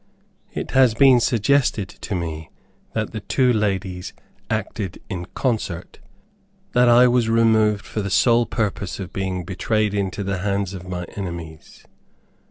It has been suggested to me that the two ladies acted in concert; that I was removed for the sole purpose of being betrayed into the hands of my enemies.